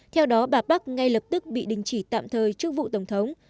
theo đó bà park ngay lập tức bị đình chỉ tạm thời trước vụ tổng thống